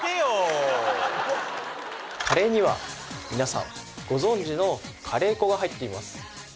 カレーにはみなさんご存じのカレー粉が入っています